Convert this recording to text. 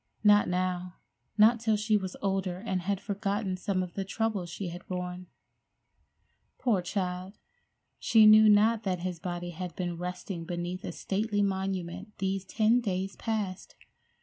Not now—not till she was older and had forgotten some of the troubles she had borne. Poor child! She knew not that his body had been resting beneath a stately monument these ten days past!